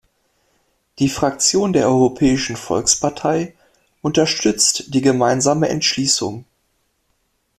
Die Fraktion der Europäischen Volkspartei unterstützt die gemeinsame Entschließung.